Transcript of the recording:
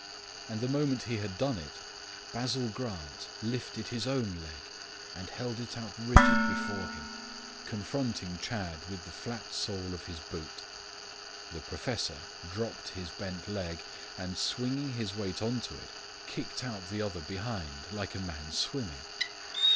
And the moment he had done it Basil Grant lifted his own leg and held it out rigid before him, confronting Chadd with the flat sole of his boot. The professor dropped his bent leg, and swinging his weight on to it kicked out the other behind, like a man swimming.